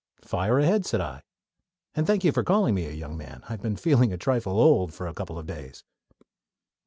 "Fire ahead!" said I. "And thank you for calling me a young man. I've been feeling a trifle old for a couple of days."